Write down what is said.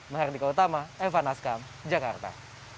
menghargai keutama eva naskam jakarta